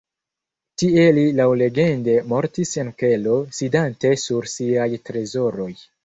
Tie li laŭlegende mortis en kelo sidante sur siaj trezoroj.